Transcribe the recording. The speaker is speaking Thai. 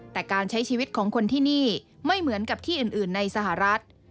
แต่การใช้ชีวิตของคนที่นี่ไม่เหมือนกับที่อื่นในสหรัฐ